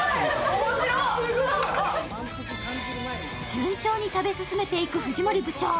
順調に食べ進めていく藤森部長。